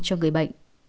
cho người bệnh